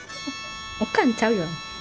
おかんちゃうよ。